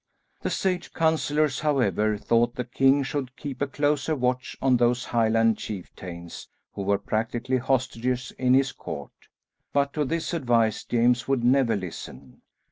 The sage counsellors, however, thought the king should keep a closer watch on those Highland chieftains who were practically hostages in his court. But to this advice James would never listen.